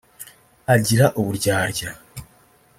Agira uburyarya